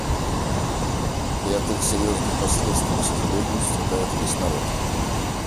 И от их серьезных последствий, к сожалению, страдает весь народ.